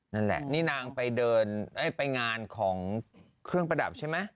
นั่นแหละนี่นางไปเดินไปงานของเครื่องประดับใช่ไหม